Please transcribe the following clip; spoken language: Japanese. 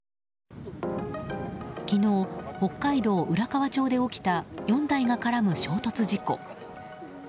昨日、北海道浦河町で起きた４台が絡む衝突事故。